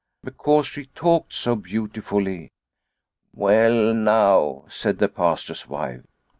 Because she talked so beautifully." " Well now," said the Pastor's wife.